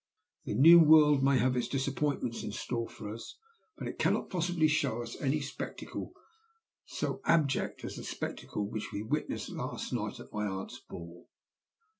The New World may have its disappointments in store for us, but it cannot possibly show us any spectacle so abject as the spectacle which we witnessed last night at my aunt's ball.